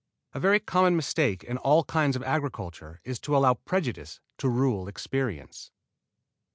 A very common mistake in all kinds of agriculture is to allow prejudice to rule experience.